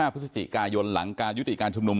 พฤศจิกายนหลังการยุติการชุมนุม